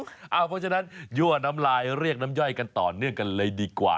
เพราะฉะนั้นยั่วน้ำลายเรียกน้ำย่อยกันต่อเนื่องกันเลยดีกว่า